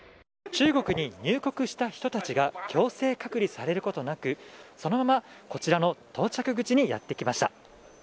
中国に入国した人たちが強制隔離されることなくそのまま、こちらの到着口にやって来ました。